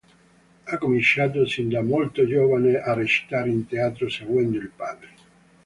Ha cominciato sin da molto giovane a recitare in teatro, seguendo il padre.